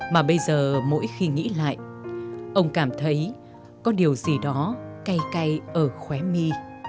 mà bây giờ mỗi khi nghĩ lại ông cảm thấy có điều gì đó cay cay ở khóe my